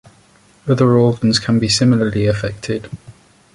Other organs can be similarly affected.